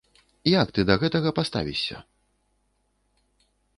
Як ты да гэтага паставішся?